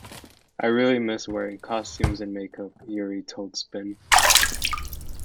"I really miss wearing costumes and makeup," Urie told "Spin".